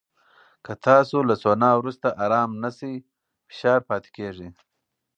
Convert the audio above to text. که تاسو له سونا وروسته ارام نه شئ، فشار پاتې کېږي.